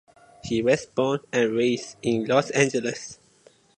He was born and raised in Los Angeles.